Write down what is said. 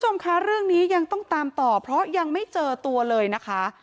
คุณผู้ชมคะเรื่องนี้ยังต้องตามต่อเพราะยังไม่เจอตัวเลยนะคะ